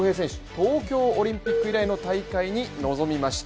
東京オリンピック以来の大会に臨みました。